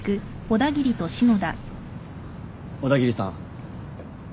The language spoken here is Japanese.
小田切さん。